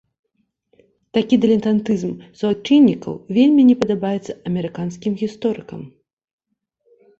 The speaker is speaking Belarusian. Такі дылетантызм суайчыннікаў вельмі не падабаецца амерыканскім гісторыкам.